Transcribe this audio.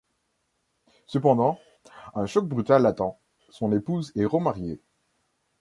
Cependant, un choc brutal l’attend, son épouse est remariée.